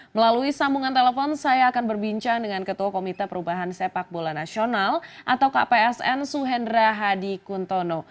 melalui sambungan telepon saya akan berbincang dengan ketua komite perubahan sepak bola nasional atau kpsn suhendra hadi kuntono